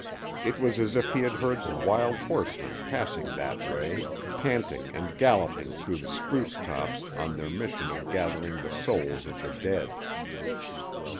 It was as if he had heard the Wild Horsemen passing that way, panting and galloping through the spruce tops on their mission of gathering the souls of the dead.